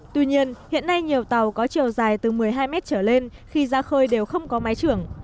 tuy nhiên hiện nay nhiều tàu có chiều dài từ một mươi hai mét trở lên khi ra khơi đều không có máy trưởng